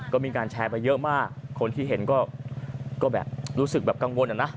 ก็มีการแชร์ไปเยอะมากคนที่เห็นก็แบบรู้สึกแบบกังวลอะนะ